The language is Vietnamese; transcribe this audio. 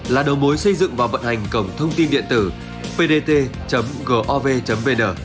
là đầu mối xây dựng và vận hành cổng thông tin điện tử pd gov vn